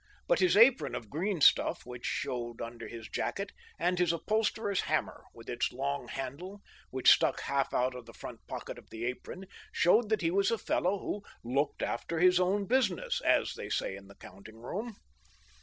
But his apron of green stuff, which showed under his jacket, and his upholsterer's hammer, with its long handle, which stuck half out of the front pocket of the apron, showed that he was a fellow who ''looked after his own business," as they say in the 6 THE STEEL HAMMER. counting room.